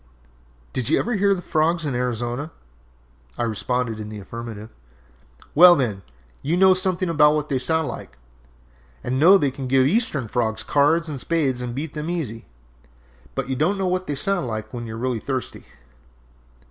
"Did you ever hear the frogs in Arizona?" I responded in the affirmative. "Well, then, you know something about what they sound like, and know they can give Eastern frogs cards and spades and beat them easy. But you don't know what they sound like when you are really thirsty!"